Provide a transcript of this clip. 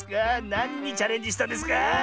なんにチャレンジしたんですか？